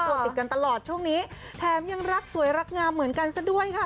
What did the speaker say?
ติดกันตลอดช่วงนี้แถมยังรักสวยรักงามเหมือนกันซะด้วยค่ะ